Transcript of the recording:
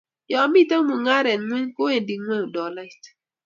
yo mito mungaret ingweny kowendi ngweny dolait